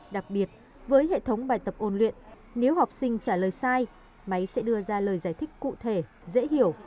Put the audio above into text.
đặc biệt với hệ thống bài tập ôn luyện nếu học sinh trả lời sai máy sẽ đưa ra lời giải thích cụ thể dễ hiểu